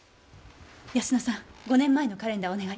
泰乃さん５年前のカレンダーお願い。